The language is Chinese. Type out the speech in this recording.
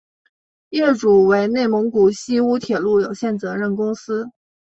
业主为内蒙古锡乌铁路有限责任公司。